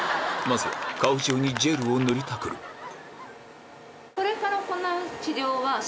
まずは顔中にジェルを塗りたくるなので。